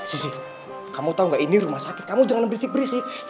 sisi kamu tahu gak ini rumah sakit kamu jangan berisik berisik